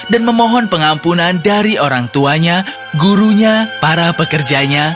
dan memohon pengampunan dari orang tuanya gurunya para pekerjanya